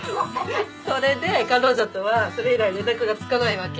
それで彼女とはそれ以来連絡がつかないわけ？